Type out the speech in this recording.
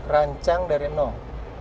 rancang dari nong